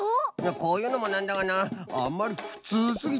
こういうのもなんだがなあまりにふつうすぎて。